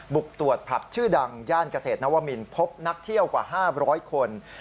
บุกตรวจผับชื่อดังย่านเกษตรนวมินพบนักเที่ยวกว่า๕๐๐คน